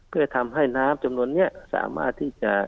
เพื่อทำให้น้ำจำนวนนี้สามารถที่จะ